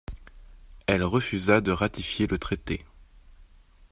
Elle refusa de ratifier le traité.